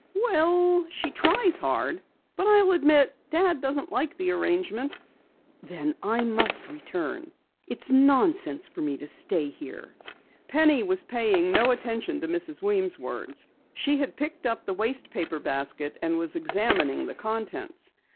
"Well, she tries hard, but I'll admit Dad doesn't like the arrangement." "Then I must return. It's nonsense for me to stay here." Penny was paying no attention to Mrs. Weems' words. She had picked up the waste paper basket and was examining the contents.